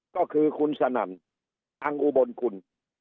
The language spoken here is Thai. ก็คือคุณสนั่นอังอุบลกุล